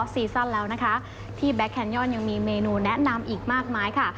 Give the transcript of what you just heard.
ซีซั่นแล้วนะคะที่แบ็คแคนย่อนยังมีเมนูแนะนำอีกมากมายค่ะ